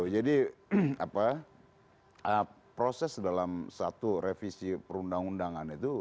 jadi proses dalam satu revisi perundang undangan itu